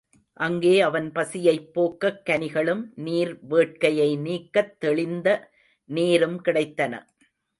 அங்கே அவன் பசியைப் போக்கக் கனிகளும் நீர் வேட்கையை நீக்கத் தெளிந்த நீரும் கிடைத்தன.